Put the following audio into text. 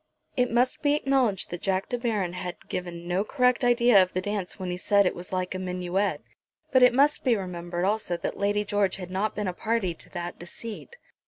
It must be acknowledged that Jack De Baron had given no correct idea of the dance when he said that it was like a minuet; but it must be remembered also that Lady George had not been a party to that deceit.